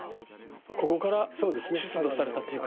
ここから出土されたというか。